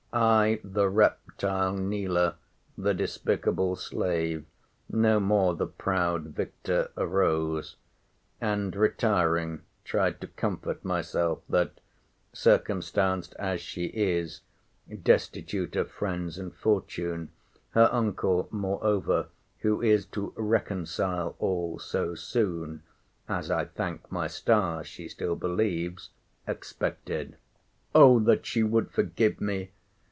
I, the reptile kneeler, the despicable slave, no more the proud victor, arose; and, retiring, tried to comfort myself, that, circumstanced as she is, destitute of friends and fortune; her uncle moreover, who is to reconcile all so soon, (as I thank my stars she still believes,) expected. O that she would forgive me!